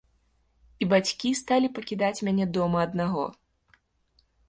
І бацькі сталі пакідаць мяне дома аднаго.